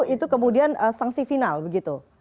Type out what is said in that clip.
itu kemudian sanksi final begitu